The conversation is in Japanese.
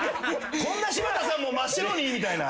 こんな柴田さんも真っ白にみたいな。